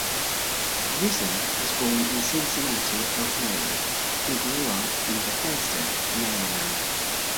Risen was born in Cincinnati, Ohio, and grew up in Bethesda, Maryland.